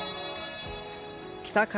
北風。